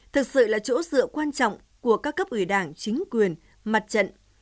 thực sự là chỗ dựa quan trọng của các cấp ủy đảng chính quyền mặt trận